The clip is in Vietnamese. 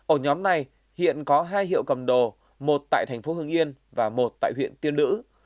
ổ nhóm này hiện có hai hiệu cầm đồ một tại thành phố hưng yên và một tại huyện tiên lữ